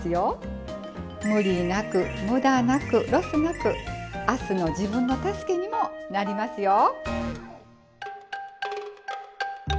無理なく無駄なくロスなく明日の自分の助けにもなりますよ。